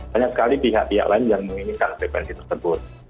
banyak sekali pihak pihak lain yang menginginkan frekuensi tersebut